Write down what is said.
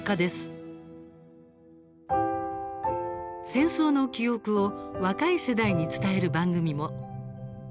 戦争の記憶を若い世代に伝える番組も。